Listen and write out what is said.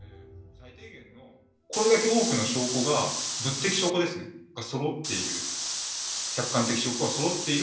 これだけ多くの証拠が、物的証拠ですね、そろっている。